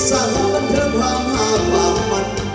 สาหรับมันทะแบงพามาว่ามัน